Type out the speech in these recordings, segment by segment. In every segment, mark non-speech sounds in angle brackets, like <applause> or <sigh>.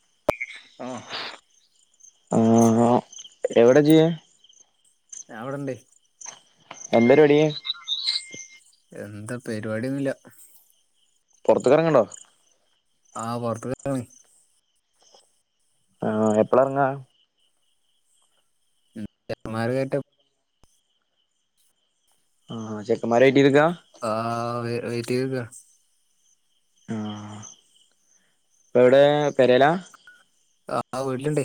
<unintelligible> ആഹ് എവിടെ ചെയ്യ ഞാവടെണ്ട് എന്തര് വാടി എന്താ പര് വാഡ്യോന്നുല്ല പൊർത്ക്കെർങ്ങേണ്ടോ? ആഹ് പൊറത്തേ <unintelligible> ആഹ് എപ്പളെറങ്ങാ മാർ <inaudible> ട്ട് ആഹ് ചെക്ക്മാ ആഹ് വേ വെയ്റ്റ് ചെയ്തേക്കാ ആഹ് ഇപ്പ എവിടെ പെരലാ ആഹ് വീട്ടിലിണ്ട്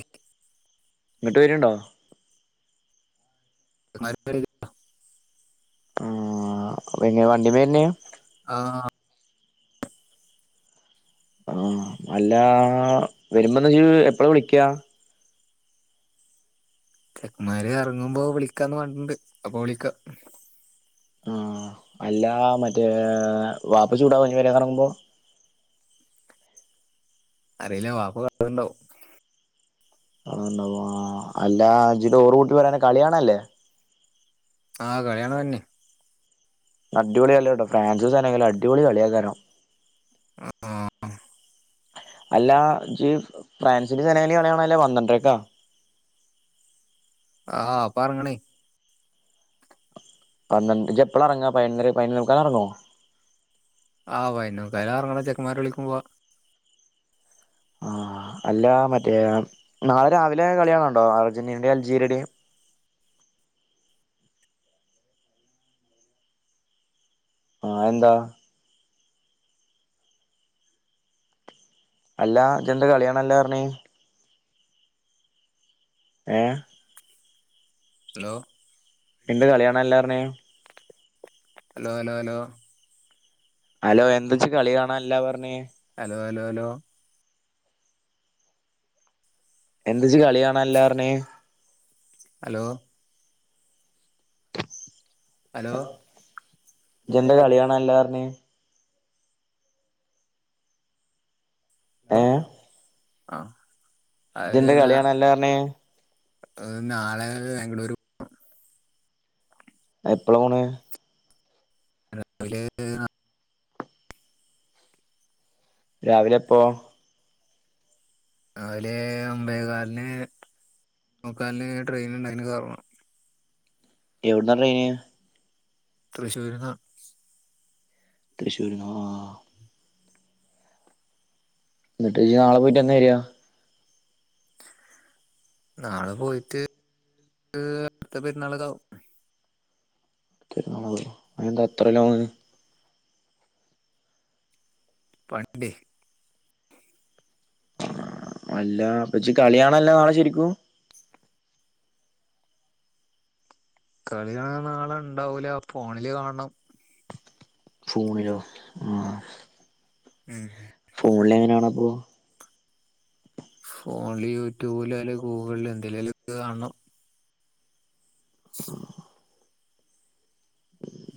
ഇങ്ങട്ട് വരിണ്ടോ <inaudible> ആഹ് പിന്ന വണ്ടി വര്ണേ ആ ആഹ് അല്ല വരുമ്പോന്ന് ച്ച എപ്പളാ വിളിക്കാ ചെക്കന്മാര് ഇറങ്ങുമ്പോ വിളിക്കാന്ന് പറണ്ടിണ്ട് അപ്പൊ വിളിക്കാം ആഹ് അല്ല മറ്റേ വാപ്പ ചൂടാനി പേരേ ഇറങ്ങുമ്പോ അറിയില്ല വാപ്പ കണ്ടിണ്ടാവും ആണ്ടവോ അല്ല അഞ്ചിട്ട ഓറ് കൂട്ടി പോരാനെ കളിയാണനല്ലേ ആഹ് കളിയാണാൻ തന്നെ അടിപൊളി കളിയാട്ടോ ഫ്രാൻസ് സാനങ്കിലും അടിപൊളി കളിയാ കാരോം ആഹ് അല്ല ജീ ഫ്രാൻസിന്റെ ജനകലി കളിണനല്ലേ പന്ത്രണ്ടരക്കാ ആഹ് അപ്പ എറങ്ങണേ പന്ത്രണ്ട് ജ് എപ്പളാ എറങ്ങാ പതിനൊന്നര പതിനൊന്നേമുക്കാല് ഇറങ്ങോ ആഹ് പയിനൊന്നേ മുക്കാലറങ്ങണ ചെക്കന്മാര് വിളിക്കുമ്പോ ആഹ് അല്ല മറ്റേ നാളെ രാവിലെ കളിയാണ് ണ്ടോ അർജന്റീനയുടെയും അൽജീരിയയുടെയും ആയെന്താ അല്ലാ ജെന്താ കളികാണാല്ലാർഞ്ഞ് ഏ ഹലോ എന്താ കളിയാണാല്ലാർഞ്ഞ് ഹലോ ഹലോ ഹലോ ഹലോ എന്താച്ച് കളി കാണാല്ലാ പറഞ്ഞ് ഹലോ അലോ അലോ എന്തജ്ജ് കളിയാണാല്ലാർഞ്ഞ് ഹലോ ഹലോ ജന്റെ കളിയണ എല്ലറിന ഉ ആ ആഹ ഇതിന്റെ കളിയണല്ലാ പറഞ്ഞ നാളെ ബംഗളൂരു എപ്പള പോണ് രാവല് രാവിലെപ്പോ രാവിലെ അമ്പേകാലിന് മോക്കാലിന് ട്രെയിൻ ഉണ്ടാക്കന് കറണം എവിടന്നാ റയിന തൃശ്ശൂരിന്ന് തൃശ്ശൂർന എന്നിട്ട് ചച്ച നാളെ പോയിട്ട്ന്നാ വരിയാ നാളെ പോയിട്ട് അടുത്ത പെരുന്നാൾക്ക ആാവും ുന്നാളോ അെ എന്താ അത്ര ലോങ് പണ്ട് അല്ല അപ്പച്ചി കളിയണല്ല നാളെ ശരിക്കും കളി കാണൻ നാള ഇണ്ടാവൂല ഫോണില് കാണണം ഫോണിലോ ആ ഉം ഫോണില എങ്ങനെയാണപ്പ ഫോണില് യൂട്യൂബില് അല്ല ഗൂഗിളില് എന്തെലാലും കാണണം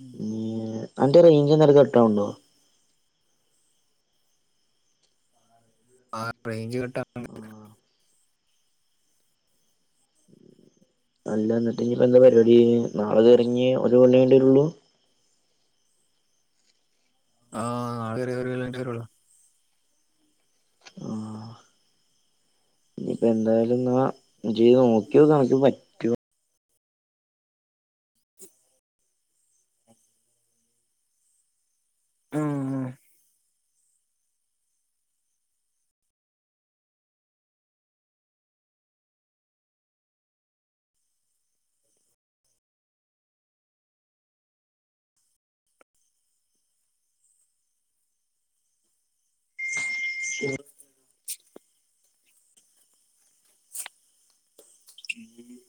ഉം. അതേറ ഇഞ്ച പെട്ടൗണ ആഞ് <unintelligible> ആഹ് അല്ല എന്നിട്ട് ഇ ഇപ്പ എന്താ പരിപാടി നാളെ ഇറങ്ങഞ് ഒരു കൊ വേണ്ടള്ളു ആഹ് ആരുള ഇനിയിപ്പ എന്തായാലും എന്നാ ചെയ്ത് നോക്കിയ നണക്കൻ പറ്റോ ആഹ ആ ഉ ഉം